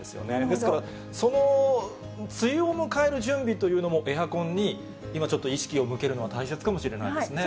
ですから、その梅雨を迎える準備というのも、エアコンに今ちょっと意識を向けるのは大切かもしれないですね。